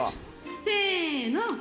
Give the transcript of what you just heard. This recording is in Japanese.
せの！